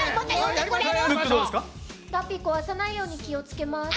ラッピー壊さないように気をつけます。